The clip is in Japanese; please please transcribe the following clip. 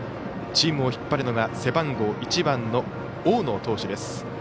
チームを引っ張るのが背番号１番の大野投手です。